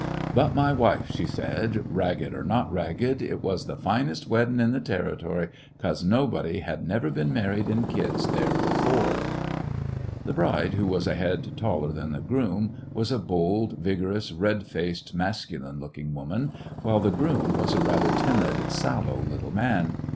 But my wife she said, ragged or not ragged, it was the finest weddin' in the Territory, 'cause nobody had never been married in kids there before." The bride balks The bride, who was a head taller than the groom, was a bold, vigorous, red faced, mas culine looking woman, while the groom was a rather timid, sallow little man.